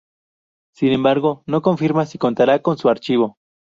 Sin embargo no confirma si contará con su archivo.